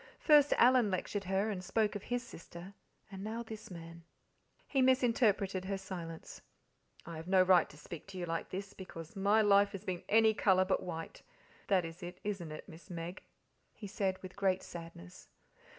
First Alan lectured her and spoke of his sister, and now this man. He misinterpreted her silence. "I have no right to speak to you like this, because my life has been any colour but white that is it, isn't it, Miss Meg?" he said with great sadness.